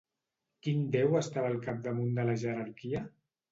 Quin déu estava al capdamunt de la jerarquia?